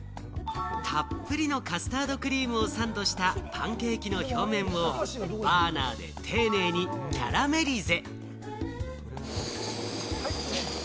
たっぷりのカスタードクリームをサンドしたパンケーキの表面をバーナーで丁寧にキャラメリゼ。